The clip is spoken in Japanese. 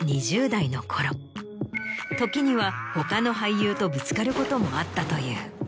時には他の俳優とぶつかることもあったという。